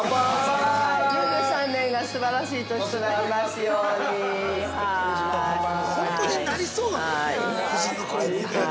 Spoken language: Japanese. ◆２３年がすばらしい年となりますように。